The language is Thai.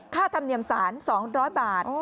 ค่าธรรมเนียมสารสองร้อยบาท